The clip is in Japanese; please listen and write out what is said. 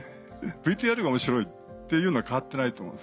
ＶＴＲが面白いっていうのは変わってないと思うんですよ。